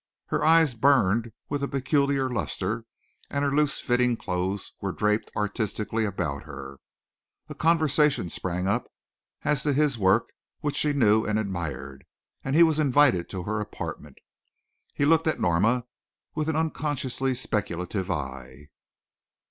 Her eyes burned with a peculiar lustre and her loose fitting clothes were draped artistically about her. A conversation sprang up as to his work, which she knew and admired, and he was invited to her apartment. He looked at Norma with an unconsciously speculative eye.